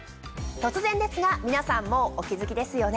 突然ですが皆さんもうお気付きですよね。